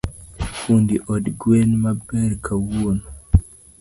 Fund od gwen maber kawuono.